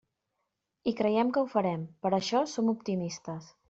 I creiem que ho farem, per això som optimistes.